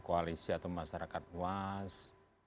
koalisi atau masyarakat was